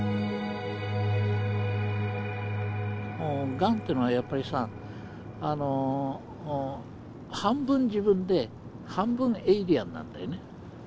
がんというのはやっぱりさ半分自分で半分エイリアンなんだよね。